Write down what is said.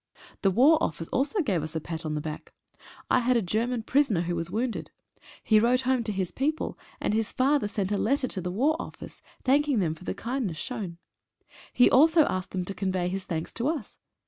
The War Office also gave us a pat on the back. I had a German prisoner, who was wounded. He wrote home to hi* people, and his father sent a letter to the War Office, thanking them for the kindness shown. He also asked them to convey his thanks to us.